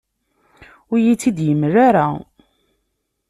Ur iyi-tt-id-yemla ara.